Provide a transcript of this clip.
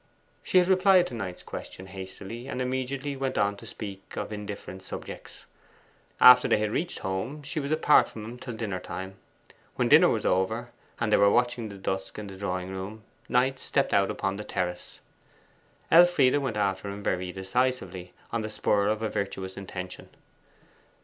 She had replied to Knight's question hastily, and immediately went on to speak of indifferent subjects. After they had reached home she was apart from him till dinner time. When dinner was over, and they were watching the dusk in the drawing room, Knight stepped out upon the terrace. Elfride went after him very decisively, on the spur of a virtuous intention.